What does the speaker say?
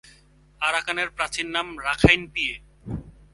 আরাকানের প্রাচীন নাম ‘রাখাইনপিয়ে’।